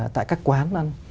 tại các quán ăn